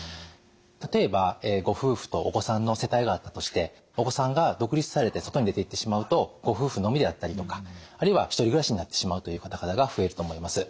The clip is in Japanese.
例えばご夫婦とお子さんの世帯があったとしてお子さんが独立されて外に出ていってしまうとご夫婦のみであったりとかあるいは１人暮らしになってしまうという方々が増えると思います。